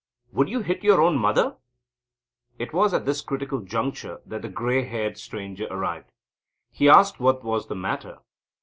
would you hit your own mother?" It was just at this critical juncture that the grey haired stranger arrived. He asked what was the matter.